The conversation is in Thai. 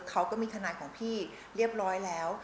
เขาก็มีทนายของพี่เรียบร้อยแล้ว